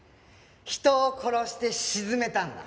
人を殺して沈めたんだ。